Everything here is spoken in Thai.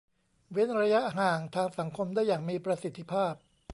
เว้นระยะห่างทางสังคมได้อย่างมีประสิทธิภาพ